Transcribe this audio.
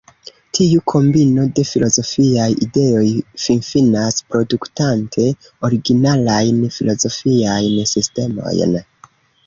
Tiu kombino de filozofiaj ideoj finfinas produktante originalajn filozofiajn sistemojn.